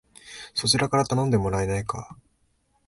そちらから頼んでもらえないか